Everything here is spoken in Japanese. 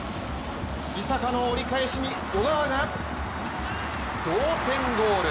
イサカの折り返しに、小川が同点ゴール。